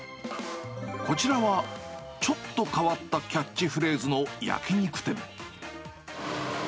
こちらは、ちょっと変わったキャッチフレーズの焼き肉店。